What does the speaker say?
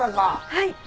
はい。